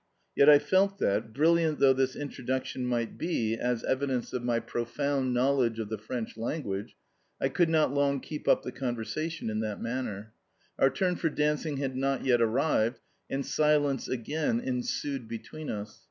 Yet I felt that, brilliant though this introduction might be as evidence of my profound knowledge of the French language, I could not long keep up the conversation in that manner. Our turn for dancing had not yet arrived, and silence again ensued between us.